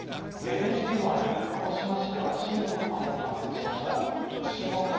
ＮＨＫのある鹿児島市では、震度３を観測しました。